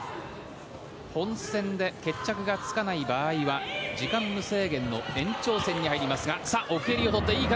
本戦で決着がつかない場合は時間無制限の延長戦に入りますが奥襟を取って、いい形。